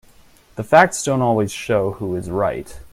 The facts don't always show who is right.